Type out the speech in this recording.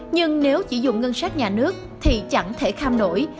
nhưng nếu chỉ dùng ngân sách nhà nước thì chẳng thể kham nổi